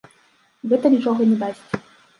Гэта нічога не дасць.